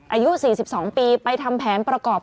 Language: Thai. อายุ๔๒ปีไปทำแผนประกอบ